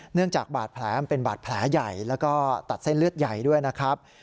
จากบาดแผลมันเป็นบาดแผลใหญ่แล้วก็ตัดเส้นเลือดใหญ่ด้วยนะครับ